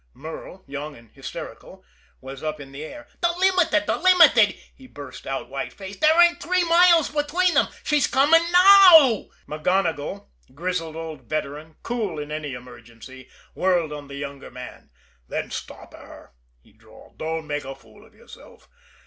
Merle, young and hysterical, was up in the air. "The Limited! The Limited!" he burst out, white faced. "There ain't three minutes between them! She's coming now!" MacGonigle, grizzled old veteran, cool in any emergency, whirled on the younger man. "Then stop her!" he drawled. "Don't make a fool of yourself!